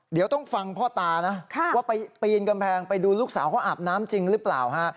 เดี๋ยวต้องฟังพ่อตานะว่าไปปีนกำแพงไปดูลูกสาวเขาอาบน้ำจริงหรือเปล่าฮะ